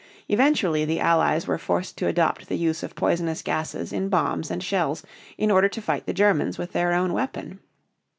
Eventually the Allies were forced to adopt the use of poisonous gases in bombs and shells in order to fight the Germans with their own weapon.